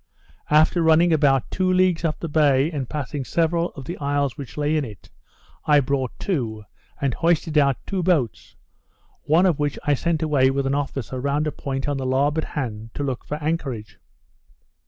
After running about two leagues up the bay, and passing several of the isles which lay in it, I brought to, and hoisted out two boats; one of which I sent away with an officer round a point on the larboard hand to look for anchorage.